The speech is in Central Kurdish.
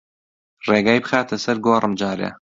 ڕێگای بخاتە سەر گۆڕم جارێ